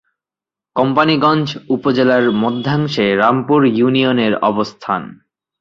কোম্পানীগঞ্জ উপজেলার মধ্যাংশে রামপুর ইউনিয়নের অবস্থান।